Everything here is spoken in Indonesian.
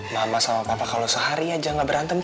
mama sama papa kalau sehari aja nggak berantem